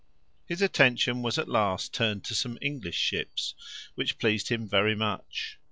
His attention was at last turned to some English ships, which pleased him very much.